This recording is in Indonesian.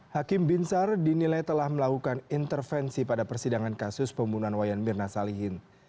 hakim binsar dinilai telah melakukan intervensi pada persidangan kasus pembunuhan wayan mirna salihin